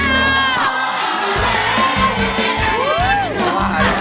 ไม่ได้